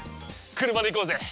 車で行こうぜ。